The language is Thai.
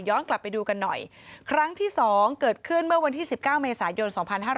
กลับไปดูกันหน่อยครั้งที่๒เกิดขึ้นเมื่อวันที่๑๙เมษายน๒๕๕๙